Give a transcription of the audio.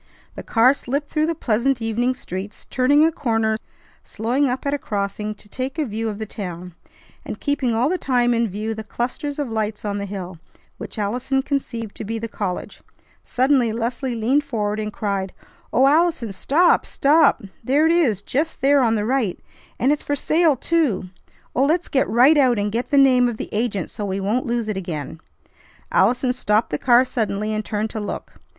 The car slipped through the pleasant evening streets, turning a corner, slowing up at a crossing to take a view of the town, and keeping all the time in view the clusters of lights on the hill, which Allison conceived to be the college. Suddenly Leslie leaned forward, and cried: "O Allison, stop! Stop! There it is, just there on the right. And it's for sale, too! Oh, let's get right out and get the name of the agent, so we won't lose it again." Allison stopped the car suddenly, and turned to look.